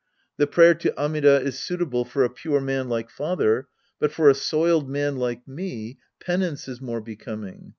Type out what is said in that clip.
" The prayer to Amida is suitable for a pure man like father, but for a soiled man like me, penance is more becoming.